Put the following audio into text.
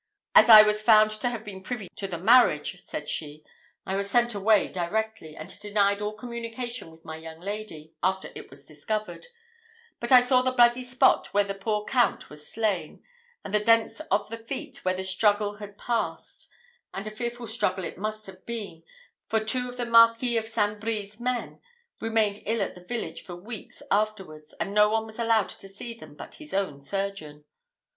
"As I was found to have been privy to the marriage," said she, "I was sent away directly, and denied all communication with my young lady, after it was discovered; but I saw the bloody spot where the poor count was slain, and the dents of the feet where the struggle had passed; and a fearful struggle it must have been, for two of the Marquis of St. Brie's men remained ill at the village for weeks afterwards, and no one was allowed to see them but his own surgeon.